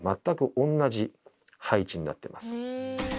全く同じ配置になってます。